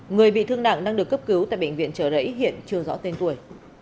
người bị thương nạn đang được cấp cứu tại bệnh viện trở đấy hiện chưa rõ tên tuổi